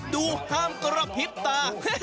ห้ามกระพริบตา